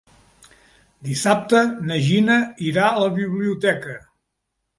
Dissabte na Gina irà a la biblioteca.